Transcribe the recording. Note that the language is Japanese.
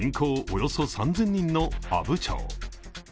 およそ３０００人の阿武町。